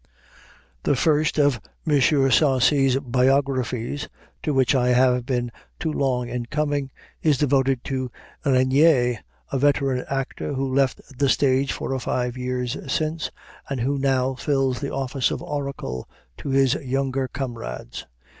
The first of M. Sarcey's biographies, to which I have been too long in coming, is devoted to Regnier, a veteran actor, who left the stage four or five years since, and who now fills the office of oracle to his younger comrades.